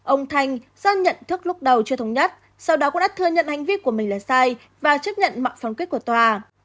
ông thanh do nhận thức lúc đầu chưa thống nhất sau đó cũng đã thừa nhận hành vi của mình là sai và chấp nhận mạng phóng kết của tòa